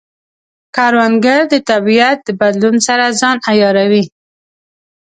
کروندګر د طبیعت د بدلون سره ځان عیاروي